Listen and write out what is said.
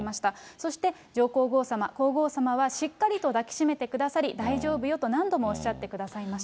そして上皇后さま、皇后さまはしっかりと抱きしめてくださり、大丈夫よと何度もおっしゃってくださいました。